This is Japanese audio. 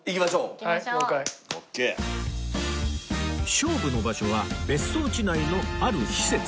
勝負の場所は別荘地内のある施設